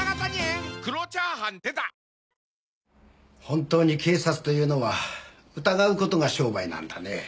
本当に警察というのは疑う事が商売なんだねぇ。